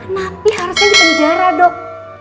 napi harusnya di penjara dok